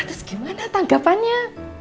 terus gimana tanggapannya